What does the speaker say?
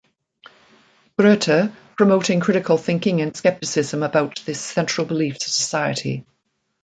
Grothe, promoting critical thinking and skepticism about the central beliefs of society.